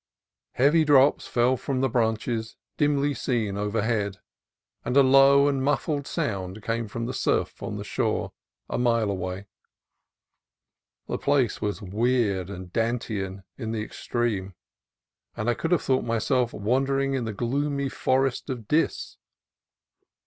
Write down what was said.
Heavy drops fell from the branches dimly seen overhead, and a low and muffled sound came from the surf on the shore a mile away. The place was weird and Dantean in the extreme, and I could have thought myself wan dering in the gloomy forest of Dis.